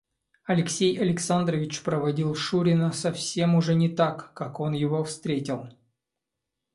Алексей Александрович проводил шурина совсем уже не так, как он его встретил.